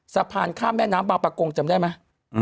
สะพานข้ามแม่น้ำบางประกงจำได้ไหม